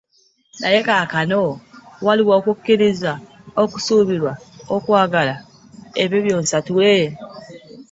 Naye kaakano waliwo okukkiriza, okusuubira, okwagala, ebyo byonsntule.